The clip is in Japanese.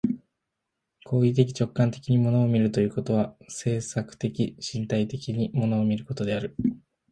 行為的直観的に物を見るということは、制作的身体的に物を見ることである。